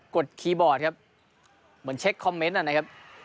ดคีย์บอร์ดครับเหมือนเช็คคอมเมนต์นะครับ